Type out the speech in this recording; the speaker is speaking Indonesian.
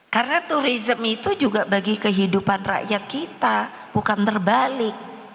karena turisme itu juga bagi kehidupan rakyat kita bukan terbaik